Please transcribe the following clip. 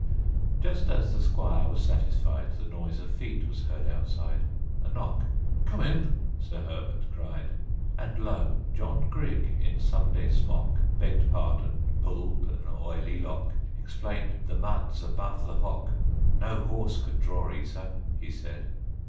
Just as the squire was satisfied, The noise of feet was heard outside; A knock. "Come in!" Sir Herbert cried. And lo! John Grigg in Sunday smock; Begged pardon, pulled an oily lock; Explained: "The mud's above the hough. "No horse could draw 'ee sir," he said.